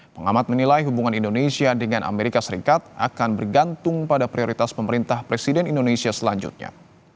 pengamat menilai hubungan indonesia dengan amerika serikat akan bergantung pada prioritas pemerintah presiden indonesia selanjutnya